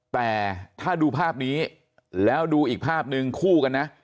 แต่ถ้าดูภาพนี้แล้วดูอีกภาพหนึ่งคู่กันนะ